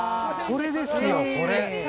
これですよ、これ。